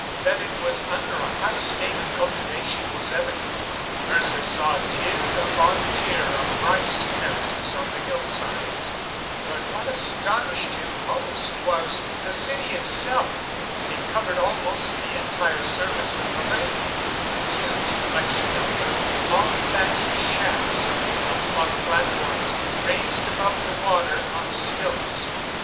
That it was under a high state of cultivation was evident. Mercer saw tier upon tier of rice terraces on the hillsides. But what astonished him most was the city itself. It covered almost the entire surface of the lake a huge collection of little palm thatched shacks built upon platforms raised above the water on stilts.